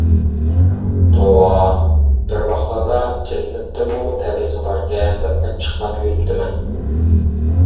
توۋا بىر ۋاقلاردا جەننەتتىمۇ تەبىقە باركەن دەپ ئاچچىقلاپ يۈرۈپتىمەن.